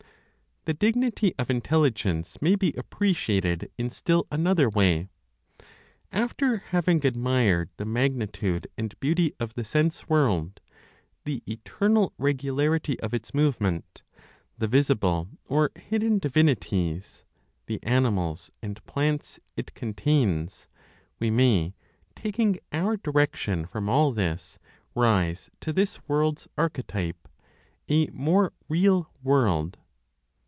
The dignity of Intelligence may be appreciated in still another way. After having admired the magnitude and beauty of the sense world, the eternal regularity of its movement, the visible or hidden divinities, the animals and plants it contains, we may (taking our direction from all this), rise to this world's archetype, a more real World.